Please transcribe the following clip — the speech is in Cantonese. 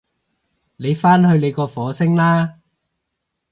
你返去你個火星啦